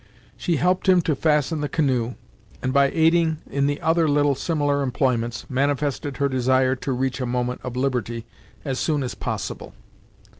She helped him to fasten the canoe, and by aiding in the other little similar employments, manifested her desire to reach a moment of liberty as soon as possible.